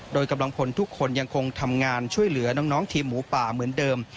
โดยกำลังพลทุกคนยังคงทำงานช่วยเหลือน้องทีมหมูป่าเหมือนเดิม